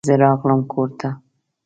زه راغلم کور ته.